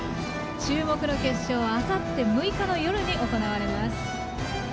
注目の決勝はあさって、６日の夜に行われます。